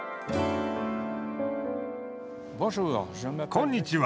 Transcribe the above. こんにちは。